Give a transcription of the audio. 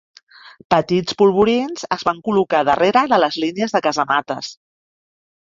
Petits polvorins es van col·locar darrere de les línies de casamates.